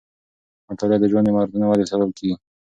مطالعه د ژوند د مهارتونو ودې سبب کېږي.